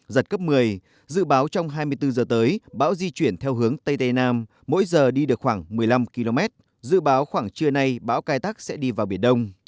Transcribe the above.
giật cấp một mươi dự báo trong hai mươi bốn giờ tới bão di chuyển theo hướng tây tây nam mỗi giờ đi được khoảng một mươi năm km dự báo khoảng trưa nay bão cài tắc sẽ đi vào biển đông